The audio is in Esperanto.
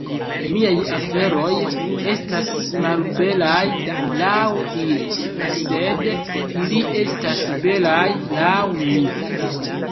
"Miaj aferoj estas malbelaj laŭ ili, sed ili estas belaj laŭ mi."